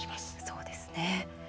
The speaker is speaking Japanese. そうですね。